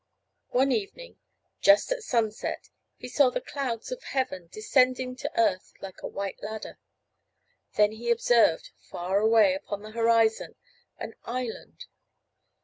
One evening just at sunset he saw the clouds of heaven descending to earth like a white ladder. Then he observed, far away upon the horizon, an island.